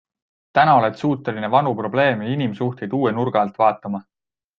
Täna oled suuteline vanu probleeme ja inimsuhteid uue nurga alt vaatama.